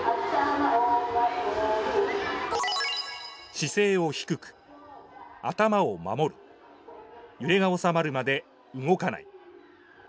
姿勢を低く頭を守る揺れが収まるまで動かない。